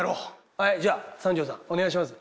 はいじゃあ三条さんお願いします。